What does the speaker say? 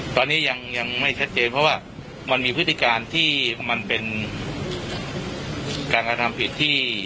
ตอนนี้ยังไม่ชัดเจนเพราะว่ามันมีพฤติการที่มันเป็นการกระทำผิดที่